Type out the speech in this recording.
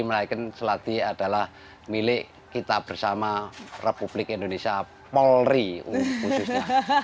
melainkan selati adalah milik kita bersama republik indonesia polri khususnya